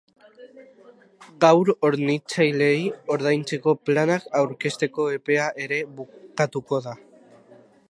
Gaur hornitzaileei ordaintzeko planak aurkezteko epea ere bukatuko da.